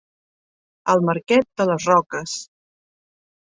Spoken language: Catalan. El Marquet de les Roques.